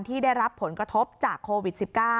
ที่ได้รับผลกระทบจากโควิด๑๙